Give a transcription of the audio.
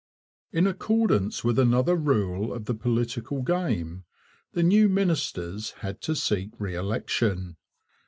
In accordance with another rule of the political game the new ministers had to seek re election.